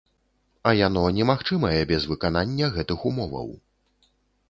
А яно немагчымае без выканання гэтых умоваў.